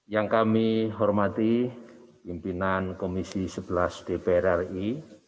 yang kami hormati pimpinan komisi sebelas dpr ri